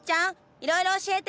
いろいろ教えて！